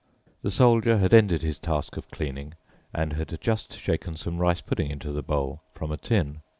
The Soldier had ended his task of cleaning and had just shaken some rice pudding into the bowl from a tin.